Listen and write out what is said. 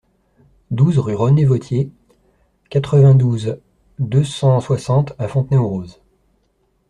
douze rue René Vauthier, quatre-vingt-douze, deux cent soixante à Fontenay-aux-Roses